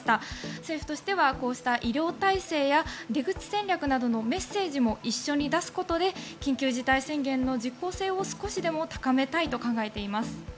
政府としては、こうした医療体制や出口戦略などのメッセージも一緒に出すことで緊急事態宣言の実効性を少しでも高めたいと考えています。